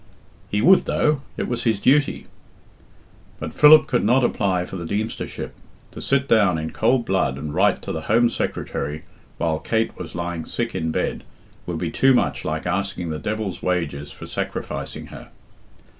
He would, though; it was his duty. But Philip could not apply for the Deemstership. To sit down in cold blood and write to the Home Secretary while Kate was lying sick in bed would be too much like asking the devil's wages for sacrificing her.